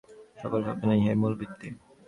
সকল সাধনের ইহাই মূল ভিত্তি।